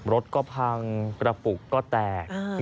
รถก็พังกระปุกก็แตก